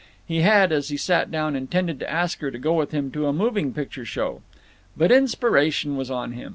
He had, as he sat down, intended to ask her to go with him to a moving picture show. But inspiration was on him.